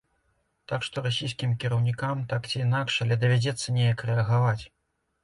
Так што расійскім кіраўнікам так ці інакш, але давядзецца неяк рэагаваць.